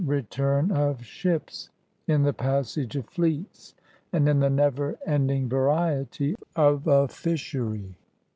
return of ships, in the passage of fleets, and in the never ending variety of a fishery.